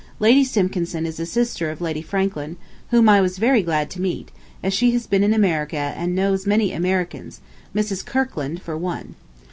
Lady Simpkinson is a sister of Lady Franklin, whom I was very glad to meet, as she has been in America and knows many Americans, Mrs. Kirkland for one.